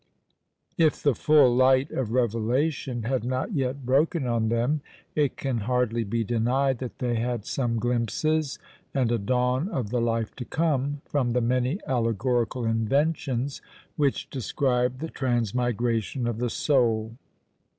_ If the full light of revelation had not yet broken on them, it can hardly be denied that they had some glimpses and a dawn of the life to come, from the many allegorical inventions which describe the transmigration of the soul.